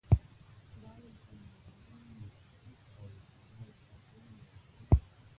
ـ بايد د معیاري لیکدود او د هغه د تقويې ملاتړ وشي